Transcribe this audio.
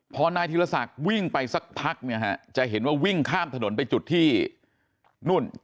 พอนายธีรศักดิ์วิ่งไปสักพักเนี่ยฮะจะเห็นว่าวิ่งข้ามถนนไปจุดที่นู่น